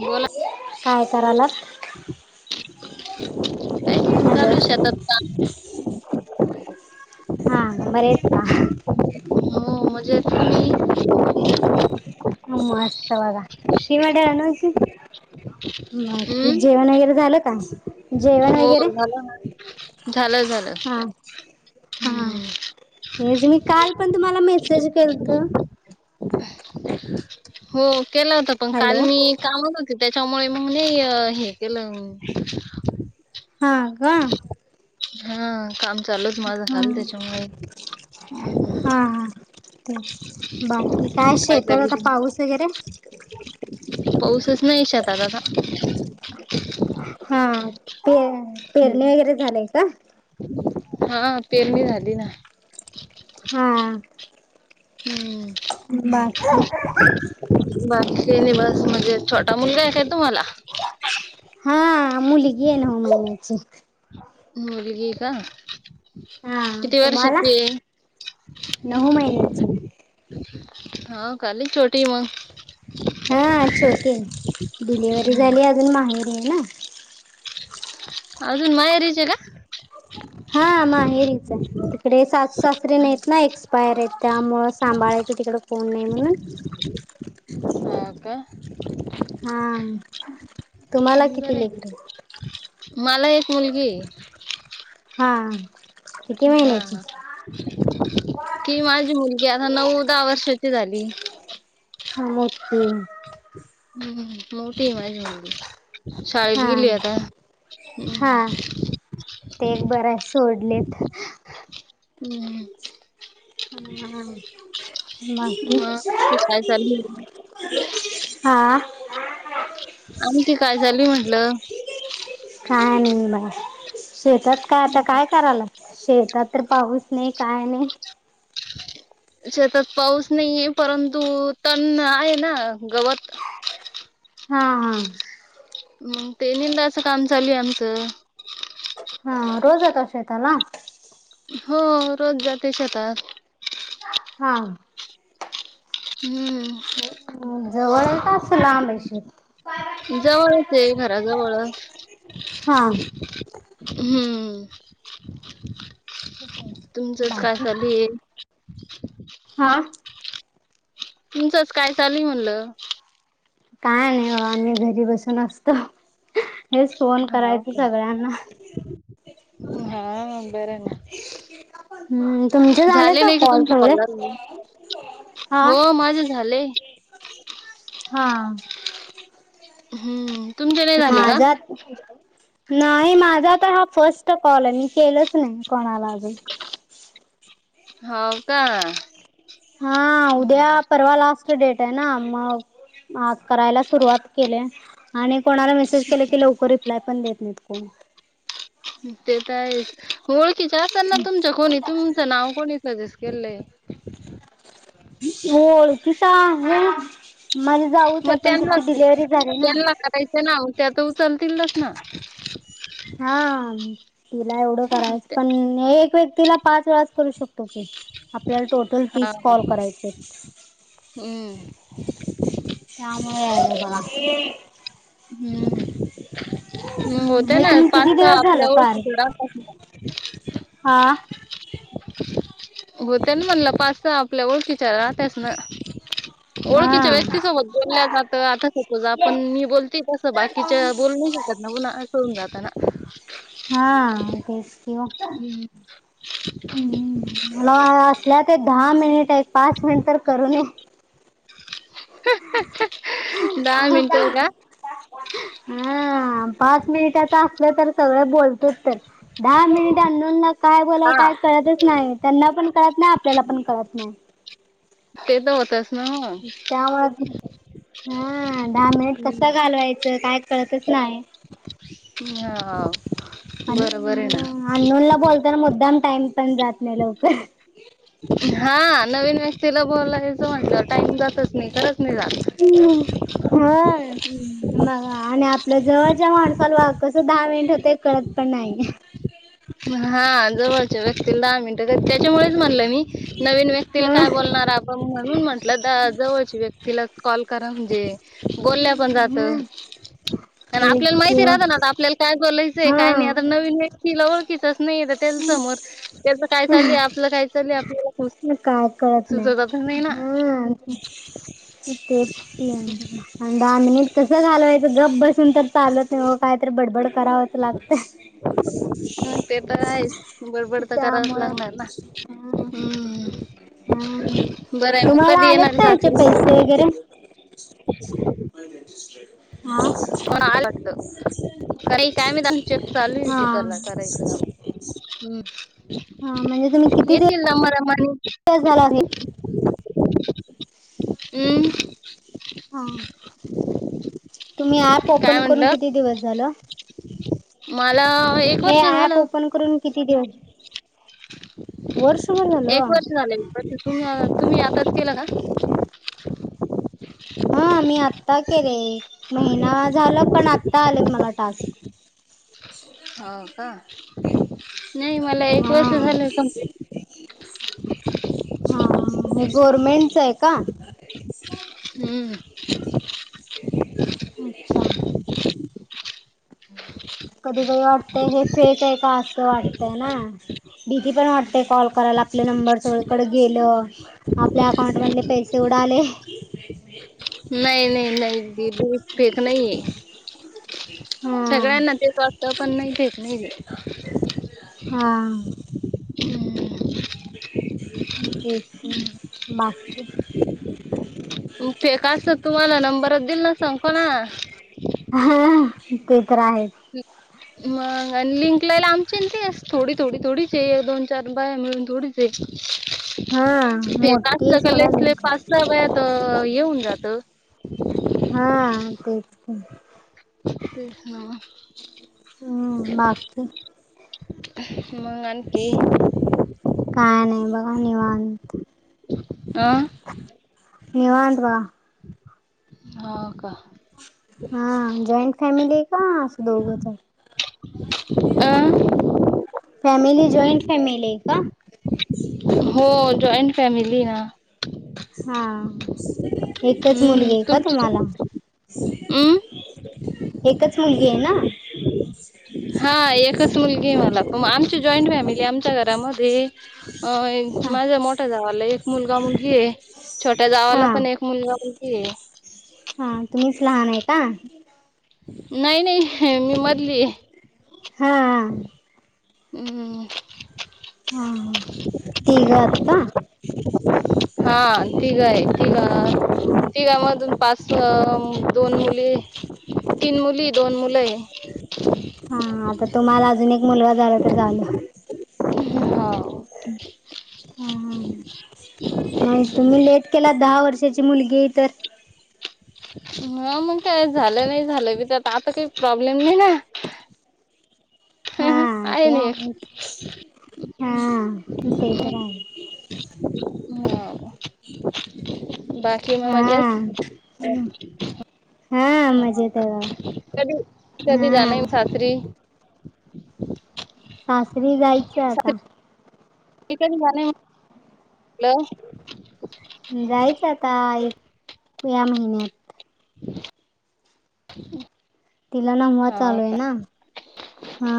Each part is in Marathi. बोला काय करायला [inaudible] काय हॅलो चालू आहे शेतात काम हा बर आहेत का हो मजाची मी ह मस्तवग शिवाड्या नाज बाकी हम्म जेवण वगैरे झालं का जेवण हो वगैरे झालं झालं झालं हा हा हम्म तेच मी काल पण तुम्हाला मेसेज केलत हो केला होत पण काल हॅलो मी कामात होते त्याच्यामुळे मग नाही हे केलं ह का हा काम चालूच माझा खाल हा त्याच्यामुळे हम्म. हा ह ते बाकी काय शेतात चालू आता तुमचं? पाऊस वगैरे पाऊसच नाही शेतात आता का हा प पेरणी वगैरे झालेय का हा पेरणी झाली ना हा हम्म बस बाकी नि बस म्हणजे छोटा मुलगा आहे काय तुम्हाला हा मुली घ ये ना होम बलायची मुलगी आहे का हा किती तुम्हाला वर्षाची आहे नऊ महिन्याचं हो का लय छोटी आहे मंग हा छोटे डिलिव्हरी हम्म. झाली अजून माहेरी आहे ना अजून माया रिजला हा माहेरीच आहे तिकडे सासू सासरीे नाहीेत ना एक बायर य त्यामुळ सांभाळायचं तिकड कोण नाही म्हणून का का हम् बर मला एक मुलगी हम हा कि माझी मुलगी आता नऊ दहा वर्षाची झाली खा मग ती. हम् मोठी माझी मुलगी [unintelligible] शाळेत हा गेली आता. हा हम्म. ते एक बरं सोडलेत. हम्म. हा हा बाकी. मग ती काय चालली हा. आणखी काय झाली म्हटलं. काय नाही ब शेतात काय आता काय करायला. शेतात तर पाऊस नाही काय नाही. शेतात पाऊस नाहीये परंतु तण आहे ना गवत. [inaudible] हा हा. म ते निंदाच काम चालू आहे आमचं. ह रोज जाता शेताला. हो रोज जाते शेतात. हा. हम्म. जवळेत असला लांब आहे शेत. जवळच आहे घराजवळच. हा. हम्म तुमचंच का बाकी चाल हे. हा. तुमचंच काय चाल म्हणलं. काय नाही बाबा मी घरी बसून असतो हेच फोन हा करायच का सगळ्यांना. हा बर ना. हम्म तुमचे झाले का कॉल सगळे. हा हो माझे झाले. हा. हम्म तुमचे नाही झाले का. माझा नाही माझा तर हा फर्स्ट कॉल आहे मी केलाच नाही कोणाला अजून. होव का. हा उद्या हम्म परवा लास्ट डेट आहे ना मग. करायला सुरुवात केले आणि कोणाला मेसेज केले की लवकर रिप्लाय पण देत नाहीत कोण. तेच हाय ओळखीच अस्सल ना तुमच्या कोणीत. तुमचं नाव कोणी सजेस्ट केले. ओळखीचा आहे मग माझी जाऊच मग आहे पण त्यािची डिलेव्हरी झाली ना. ते ना त्यात उचलतील तस ना. हा तिला एवढं करायचं पण एक व्यक्तीला. पाच वेळास करू शकतो की आपल्याला टोटल हा तीस हा कॉल करायचे हाईत. हम्म. त्याम [unintelligible] हम्म. मग होत हे ना तुम्ही किती पाच का दिवस झालं फार आपल्यावरती तिकडं पाच होतं. हा. होतंय ना म्हणलं पाच आपल्या ओळखीच्या राहतच ना. ओळखीच्या हा व्यक्तीसोबत बोलल्या जातं आता सपोज आपण मी बोलते. तसं बाकीच्या बोल नाही शकत ना पुन्हा सोडून जात ना. हा तेच की मग. हं. हम म्हणव असल्या ते दहा मिनिट पाच मिनिट तर करूनेय. [unintelligible] [unintelligible] मिनिटं का? हा पाच मिनिटाच असलं तर सगळं बोलतो तर दहा मिनिट आंनोंना काय बोलावं हां. काय कळतच नाय त्यांना पण कळत नाय आपल्याला पण कळत नाय. ते त होतच ना मग. त्यामुळ [inaudible] हा दहा मिनिट कसं घालवायचं काय कळतच नाय. नी हा हा हाव आणि अ आंणोनला बोलताना मुद्दाम टाईम पण जात नाय लवकर हा नवीन व्यक्तीला बोलाय तो म्हणलं टाईम जातच नाय खरंच नाही जात. हं बघा आणि आपल्या जवळच्या माणसाला कसं दहा मिनिट होतय कळत पण नाही. हा जवळ ज्या व्यक्तीला दहा मिनट वेळ त्याच्यामुळेच म्हणलं मी नवीन व्यक्तीला हा काय बोलणार आप पण म्हणून म्हंटलं द जवळच्या व्यक्तीलाचं कॉल करा म्हणजे बोल्या पण जात हा पण तेच आपल्याला माहिती किंवा राहत ना आता आपल्याला काय बोलायचंय काय नाय आता हा नवीन व्यक्तीला ओळखी प्रश्न येत त्यांच समोर त्याच काय चाललंय आपलं काय चाललंय आपल्याला म काय कळत नाय सुचतच नाही ना हो [unintelligible] तेच की आणि अनं दहा मिनिट कसं घालवायचं गप बसून तर चालत कायतरी बडबड करावच लागत. हं ते तर आहेचं बडबड त करावंच त्यामुळं लागणार ना हा हम्म हा नं बरं आहे मग तुम्हाला कधी येणार आलेत आहे का याचे सासरी पैसे वगैरे पण आलं वाटतं काही काय मी चेक चालू [unintelligible] आहे ते हा हा करणं करायचं काम. हम्म येतील ना मरा मानी बघ झाला असेल अं हा तुम्ही ऍप काय ओपन करून म्हटलं किती दिवस झालं. मला एक हे वर्ष ऍप झालं ओपन करून किती दिव एक झालं वर्ष झालंय पण ते मी तुम्ही तुम्ही आताच केल का? हा मी आत्ता केले. महिना झाला पण आता आलेत मला टास्क. हो का नाही मला एक हा वर्ष झालंय कंप्लिट हा हे गव्हर्मेंटचये का? हम्म अच्छा कधी कधी वाटतय हे फेक ये का असं वाटतय ना भीती पण वाटते कॉल कराला आपले नंबर सगळंकडं गेल. आपल्या अकाउंट मधले पैसे उडाले नाही नाही नाही दिदी हे फेक नाहीये हा सगळ्यांना ते चं वाटत पण नाही फेक नाहीे हे. हा हम्म. म तेच ना बाकी म फेक आसत तुम्हाला नंबरच दिल ना सांको ना हा ते तर आहे. मंग आणि लिंक लय लांबची ना ते थोडी थोडी थोडीच दोन चार बया मिळून थोडीच हा ते फेक मोठी आहे असलं का लय सोडा लिंक स्लिप असत व्हय त हे होऊन जातं हा कयचं पण ते हा हम्म बाकी मग आणकी काय नाही बघा निवांत अ निवांत बघा हो का हा जॉईंट फॅमिली आहे का असं दोघंच आहे अ फॅमिली जॉईंट फॅमिली आहे का हो जॉईंट फॅमिली आहे ना हा एकच हम्म मुलगी आहे का तुमची तुम्हाला हम्म एकच मुलगी आहे ना [inaudible] हा एकच मुलगी आहे मला प आमची जॉईंट फॅमिली आमच्या घरामध्ये अ हा माझ्या मोठ्या जावला एक मुलगा मुलगी आहे छोट्या जावला हा पण एक मुलगा मुलगी आहे हा तुम्हीच लहान आहे का नाही नाही मी मधली आहे हा हम्म हम्म हा तीघ आहात का [unintelligible] हा तिघ आहे तिघ तिघामधून पाच दोन मुली तीन मुली दोन मुलं आहे हा आता तुम्हाला अजून एक मुलगा झाल तर झालं हो हम्म हा हा हम्म [inaudible] नाही तुम्ही लेट केला दहा वर्षाची मुलगी आहे तर हा मग काय झालं नाही झालं बी आता काही प्रॉब्लेम नाही ना हा आहे ते ना एक आहे हा ते तर आहे हो बाकी मग हा मजेत हा मजेत आहे बघा कधी कधी जाणार आहे हा सासरी सासरी जायचं आता [unintelligible] हॅलो जायचं आता एक या महिन्यात [inaudible] तिला नववा हा चालू आहे का ना हा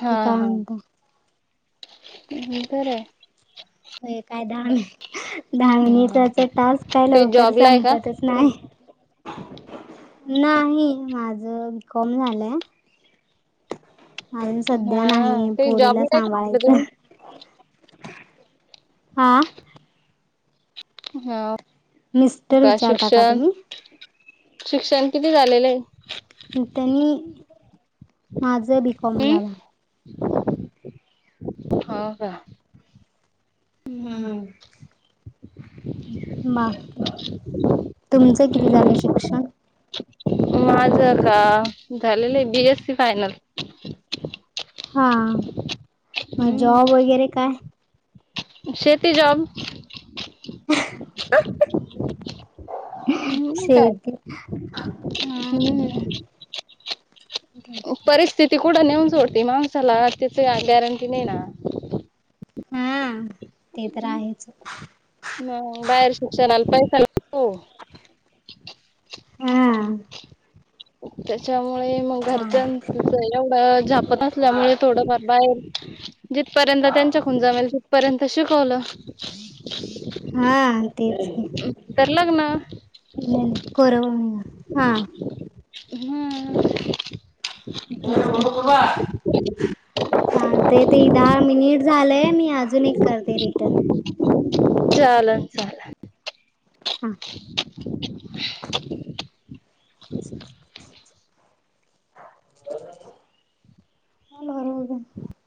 हा काय हा म्हणता बरं आहे होय काय धावणी हा धावणीचाच टास्क काय ते लवकर जॉबला आहे का संपतच नाही नाही नाही माझ बीकॉम झालंय अजून सध्या हा नाही ते पोरीला जॉबला आहे का म्हटलं सांभाळायच तुम्ही हा हा मिस्टर का विचारता का शिक्षण तुम्ही शिक्षण किती झालेलं आहे त्यांनी माझं बीकॉम हम्म झालंय हा का हम्म [inaudible] मा तुमचं किती झालं शिक्षण? माझ का झालेलय आहे बी, एस, सी फायनल. हा मग जॉब वगैरे काय? शेते जॉब. हम्म काय शती. हम्म. परिस्थिती कुठं नेऊन सोडते माणसाला त्याची गॅरंटी नाही ना. हम्म ते तर आहेच. मग बाहेर शिक्षणाला पैसा हो.. हा त्याच्यामुळे मग चांग घरच्या एवढ झापत असल्यामुळे थोडफार बाहेर जिथ पर्यंत त्यांच्या खून जमेल तिथपर्यंत शिकवल. हा नंतर लग्न. इ कोरोव हा [unintelligible] हम्म. [inaudible] हा ते ते दहा मिनिट झालंय मी अजून एक करते रिटर्न. [unintelligible] चालल चाललं. हा ह [unintelligible] [inaudible]